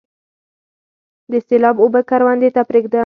د سیلاب اوبه کروندې ته پریږدم؟